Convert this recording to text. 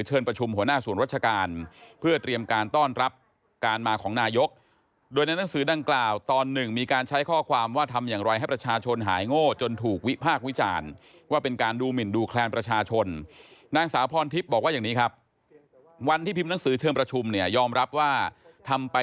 ประชุมหัวหน้าศูนย์รัชการเพื่อเตรียมการต้อนรับการมาของนายกโดยในหนังสือดังกล่าวตอนหนึ่งมีการใช้ข้อความว่าทำอย่างไรให้ประชาชนหายโง่จนถูกวิพากษ์วิจารณ์ว่าเป็นการดูหมินดูแคลนประชาชนนางสาวพรทิพย์บอกว่าอย่างนี้ครับวันที่พิมพ์หนังสือเชิงประชุมเนี่ยยอมรับว่าทำไป